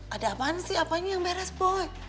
ada apaan sih apaan sih yang beres boy